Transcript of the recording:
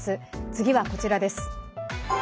次はこちらです。